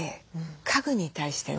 家具に対してね